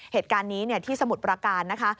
เหตุการณ์นี้ที่สมุทรประการนะคะ